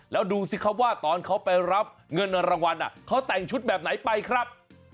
แล้วดูสิครับว่าตอนเขาไปรับเงินรางวัลเขาแต่งชุดแบบไหนไปครับ